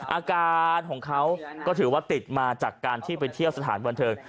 อาการของเขาก็ถือว่าติดมาจากการที่ไปเที่ยวสถานบันเทิง